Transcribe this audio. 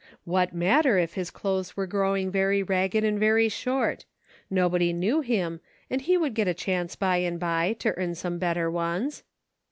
What matter if his clothes were growing very 38 PRACTICING. ragged and very short ? Nobody knew him, and he would get a chance, by and by, to earn some better ones.